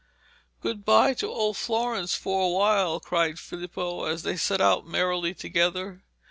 'Good bye to old Florence for a while,' cried Filippo as they set out merrily together.